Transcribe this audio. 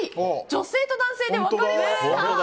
女性と男性で分かれました！